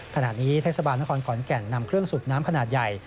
ขณะนี้เทศบาลนครขอนแก่นนำเครื่องสูบน้ำขนาดใหญ่